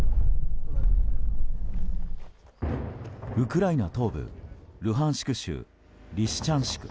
ウクライナ東部ルハンシク州リシチャンシク。